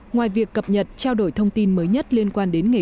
ngoài việc cập nhật trao đổi thông tin mới nhất liên quan đến ngây cá